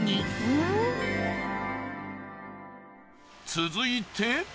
続いて。